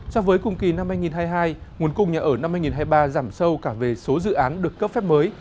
so với cùng kỳ năm hai nghìn hai mươi hai nguồn cung nhà ở năm hai nghìn hai mươi ba giảm sâu cả về số dự án được cấp phép mới